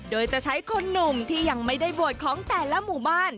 โดยจะใช้คนหนุ่มที่ยังไม่ได้บวชของแต่ละหมู่บ้าน